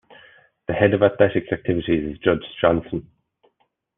The head of athletics activities is Judge Johnston.